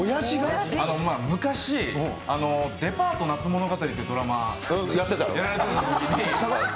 昔、デパート夏物語ってドラマやられていたときに。